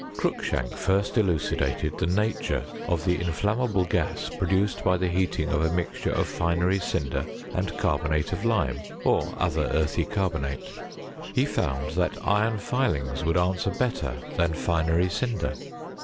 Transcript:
Cruilishank first elucidated the nature of the inflammable gas, pro duced by the heating a mixture of finery cinder and carbonate of lime, or otlier earthy carbonate. He found that iron filings would answer better than finery cinder.